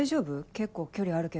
結構距離あるけど。